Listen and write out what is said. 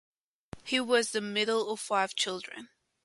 He was the middle of five children.